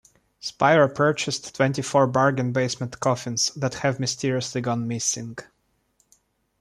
Spiro purchased twenty-four bargain basement coffins, that have mysteriously gone missing.